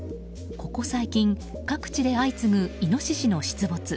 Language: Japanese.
ここ最近各地で相次ぐイノシシの出没。